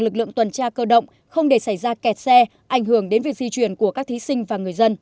các lực lượng không để xảy ra kẹt xe ảnh hưởng đến việc di chuyển của các thí sinh và người dân